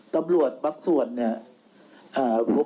ตำรวจบางส่วนเนี่ย